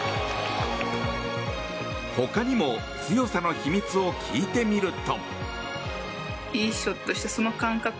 ほかにも、強さの秘密を聞いてみると。